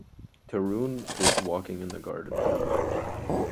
Tarun is walking in the garden.